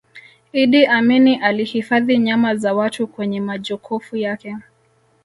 iddi amini alihifadhi nyama za watu kwenye majokofu yake